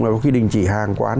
là có khi đình chỉ hàng quán